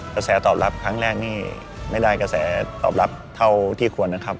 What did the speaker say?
กระแสตอบรับครั้งแรกนี่ไม่ได้กระแสตอบรับเท่าที่ควรนะครับ